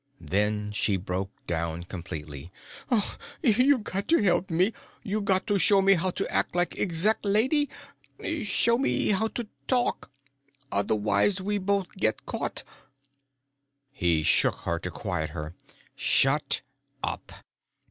Then she broke down completely. "You got to help me! You got to show me how to act like Exec lady! Show me how to talk! Otherwise, we both get caught!" He shook her to quiet her. "Shut up!"